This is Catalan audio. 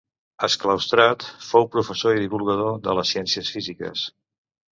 Exclaustrat, fou professor i divulgador de les ciències físiques.